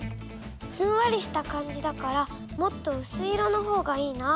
ふんわりした感じだからもっとうすい色のほうがいいな。